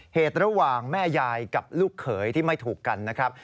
เหตุระหว่างแม่ยายกับลูกเขยที่ไม่ถูกกันนะครับ